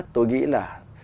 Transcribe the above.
tôi nghĩ là